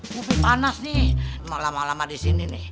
bupi panas nih malam malam di sini nih